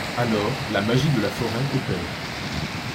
Alors, la magie de la forêt opère.